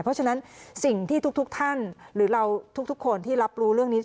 เพราะฉะนั้นสิ่งที่ทุกท่านหรือเราทุกคนที่รับรู้เรื่องนี้